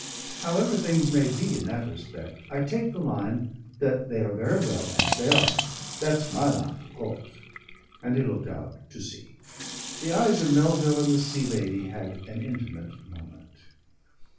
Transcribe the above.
However things may be in that respect, I take the line that they are very well as they are. That's my line, of course." And he looked out to sea. The eyes of Melville and the Sea Lady had an intimate moment.